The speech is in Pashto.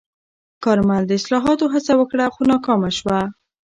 کارمل د اصلاحاتو هڅه وکړه، خو ناکامه شوه.